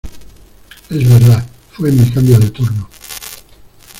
es verdad, fue en mi cambio de turno.